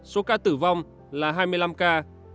số ca tử vong là hai mươi năm ca